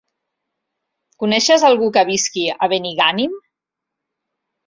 Coneixes algú que visqui a Benigànim?